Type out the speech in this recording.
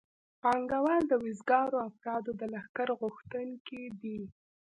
پانګوال د وزګارو افرادو د لښکر غوښتونکي دي